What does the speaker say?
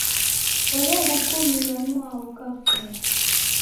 Orehukumilwa nwao ukafungwa.